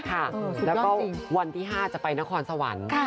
แล้วก็วันที่๕จะไปนครสวรรค์